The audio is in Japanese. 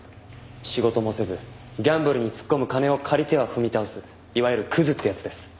仕事もせずギャンブルに突っ込む金を借りては踏み倒すいわゆるクズってやつです。